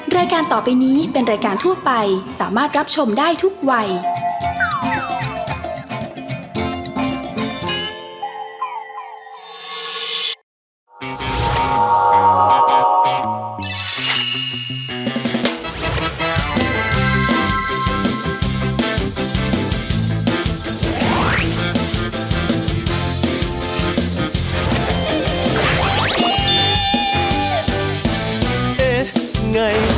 รายการต่อไปนี้เป็นรายการทั่วไปสามารถรับชมได้ทุกวัย